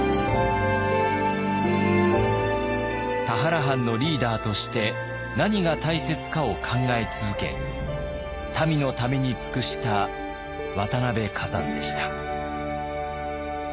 田原藩のリーダーとして何が大切かを考え続け民のために尽くした渡辺崋山でした。